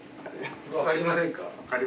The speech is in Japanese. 分かりませんか？